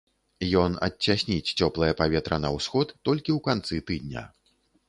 Ён адцясніць цёплае паветра на ўсход толькі ў канцы тыдня.